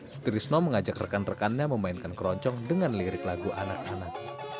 sutrisno mengajak rekan rekannya memainkan keroncong dengan lirik lagu anak anak